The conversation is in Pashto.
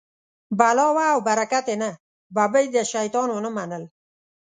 بلا وه او برکت یې نه، ببۍ د شیطان و نه منل.